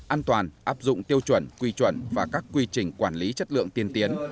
an toàn áp dụng tiêu chuẩn quy chuẩn và các quy trình quản lý chất lượng tiên tiến